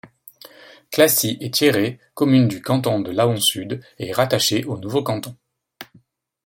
Clacy-et-Thierret, commune du canton de Laon-Sud est rattaché au nouveau canton.